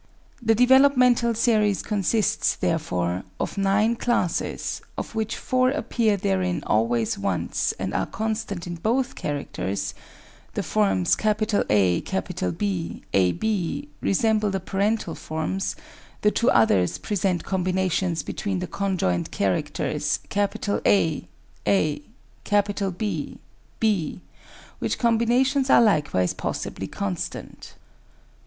The developmental series consists, therefore, of nine classes, of which four appear therein always once and are constant in both characters; the forms AB, ab, resemble the parental forms, the two other present combinations between the conjoined characters A, a, B, b, which combinations are likewise possibly constant.